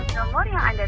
kenapa tidak bisa